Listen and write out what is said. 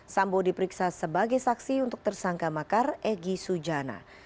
sambo diperiksa sebagai saksi untuk tersangka makar egy sujana